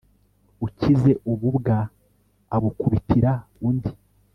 ukize ububwa abukubitira undi